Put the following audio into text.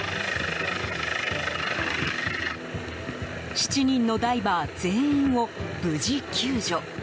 ７人のダイバー全員を無事救助。